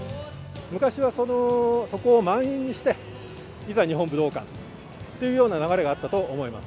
昔はそこを満員にして、いざ、日本武道館っていうような流れがあったと思います。